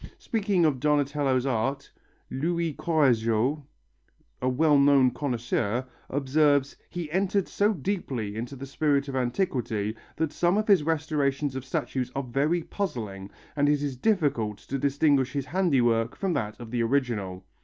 Speaking of Donatello's art Louis Courajod, a well known connoisseur, observes: "He entered so deeply into the spirit of antiquity, that some of his restorations of statues are very puzzling, and it is difficult to distinguish his handiwork from that of the original."